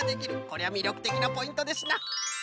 こりゃみりょくてきなポイントですな。